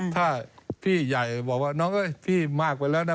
ถ้าพี่ใหญ่บอกว่าน้องเอ้ยพี่มากไปแล้วนะ